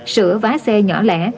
sửa vá xe nhỏ lẻ